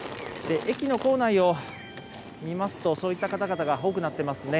駅の構内を見ますと、そういった方々が多くなっていますね。